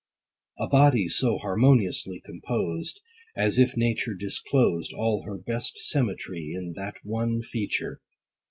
A body so harmoniously composed, 90 As if nature disclosed All her best symmetry in that one feature